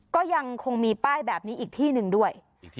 ก็ยังคงมีป้ายแบบนี้อีกที่หนึ่งด้วย